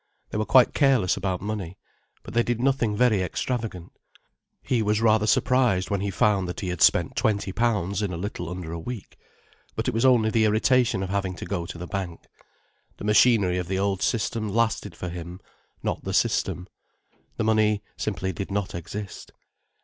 They were quite careless about money, but they did nothing very extravagant. He was rather surprised when he found that he had spent twenty pounds in a little under a week, but it was only the irritation of having to go to the bank. The machinery of the old system lasted for him, not the system. The money simply did not exist.